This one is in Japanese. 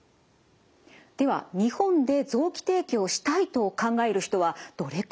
では日本で臓器提供したいと考える人はどれくらいいるんでしょうか？